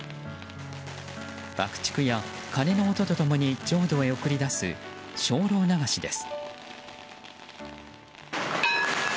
爆竹や鐘の音と共に浄土へ送り出す精霊流しです。